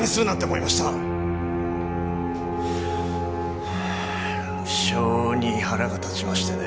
無性に腹が立ちましてね。